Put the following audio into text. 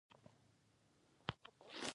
هغوی په خپلو کې سره مخالفې وې.